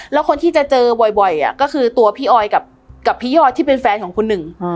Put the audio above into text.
แล้วคนที่จะเจอบ่อยก็คือตัวพี่ออยกับพี่ยอดที่เป็นแฟนของคุณหนึ่ง